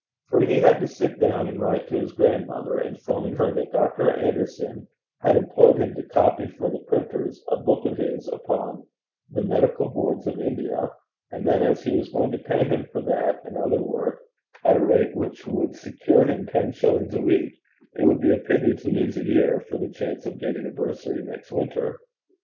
For he had to sit down and write to his grandmother informing her that Dr. Anderson had employed him to copy for the printers a book of his upon the Medical Boards of India, and that as he was going to pay him for that and other work at a rate which would secure him ten shillings a week, it would be a pity to lose a year for the chance of getting a bursary next winter.